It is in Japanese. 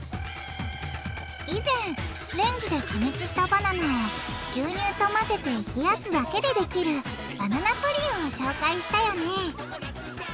以前レンジで加熱したバナナを牛乳とまぜて冷やすだけでできるバナナプリンを紹介したよね。